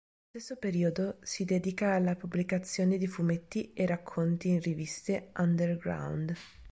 Nello stesso periodo si dedica alla pubblicazione di fumetti e racconti in riviste underground.